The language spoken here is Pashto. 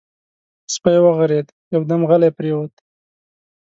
سپی وغرېد، يودم غلی پرېووت.